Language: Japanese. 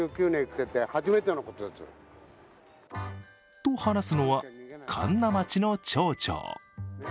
と話すのは神流町の町長。